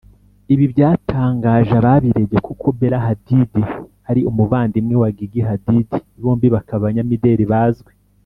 Ibi byatangaje ababirebye kuko Bella Hadid ari umuvandimwe wa Gigi Hadid bombi bakaba abanyamideli bazwi